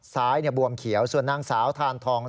ซ้ายบวมเขียวส่วนนางสาวทานทอง